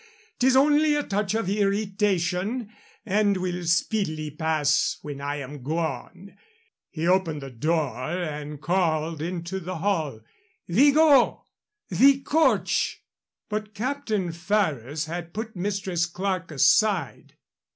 'Tis only a touch of irritation and will speedily pass when I am gone." He opened the door and called into the hall, "Vigot! the coach!" But Captain Ferrers had put Mistress Clerke aside.